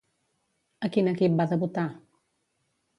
A quin equip va debutar?